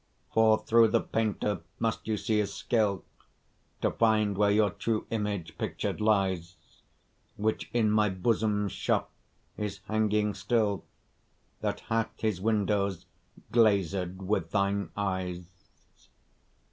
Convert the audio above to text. For through the painter must you see his skill, To find where your true image pictur'd lies, Which in my bosom's shop is hanging still, That hath his windows glazed with thine eyes.